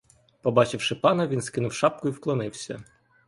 Побачивши пана, він скинув шапку і вклонився.